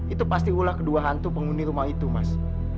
itu pasti ulah kedua hantu penghuni rumah itu mas